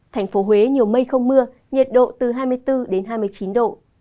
thành phố huế nhiều mây không mưa nhà độ từ hai mươi bốn hai mươi chín độ